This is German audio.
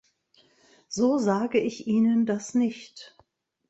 So sage ich Ihnen das nicht.